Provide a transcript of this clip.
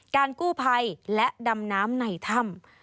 การกู้ไพรและดำน้ำในถ้ำ